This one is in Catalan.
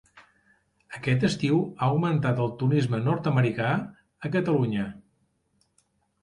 Aquest estiu ha augmentat el turisme nord-americà a Catalunya.